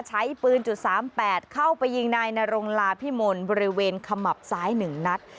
ใช้ปืน๓๘เข้าไปยิงนายนรงลาพิมลบริเวณขมับซ้าย๑นัด